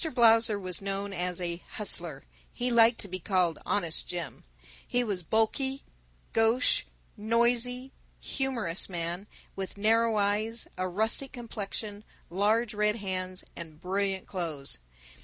Blausser was known as a Hustler. He liked to be called Honest Jim. He was a bulky, gauche, noisy, humorous man, with narrow eyes, a rustic complexion, large red hands, and brilliant clothes.